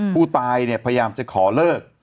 ผู้ตายเนี่ยพยายามจะขอเลิก